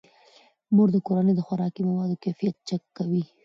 مور د کورنۍ د خوراکي موادو کیفیت چک کوي.